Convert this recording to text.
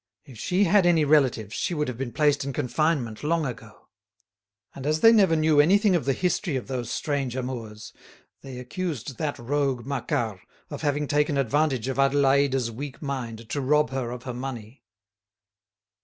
"If she had any relatives she would have been placed in confinement long ago." And as they never knew anything of the history of those strange amours, they accused that rogue Macquart of having taken advantage of Adélaïde's weak mind to rob her of her money.